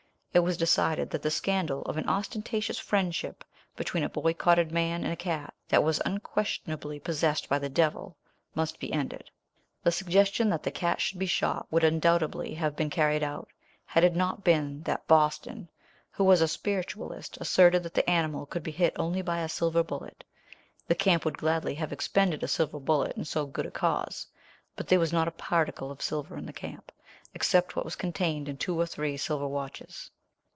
It was decided that the scandal of an ostentatious friendship between a boycotted man and a cat that was unquestionably possessed by the devil must be ended. The suggestion that the cat should be shot would undoubtedly have been carried out, had it not been that Boston, who was a spiritualist, asserted that the animal could be hit only by a silver bullet. The camp would gladly have expended a silver bullet in so good a cause, but there was not a particle of silver in the camp, except what was contained in two or three silver watches.